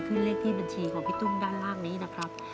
เลขที่บัญชีของพี่ตุ้มด้านล่างนี้นะครับ